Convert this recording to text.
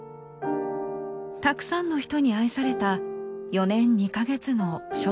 たくさんの人に愛された４年２カ月の生涯でした。